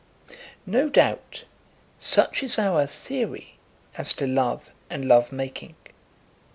No doubt such is our theory as to love and love making.